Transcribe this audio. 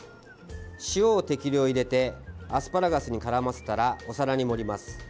塩を適量入れてアスパラガスに絡ませたらお皿に盛ります。